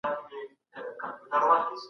سياست د ملت د ګډ سرنوشت په ټاکلو کي اړين دی.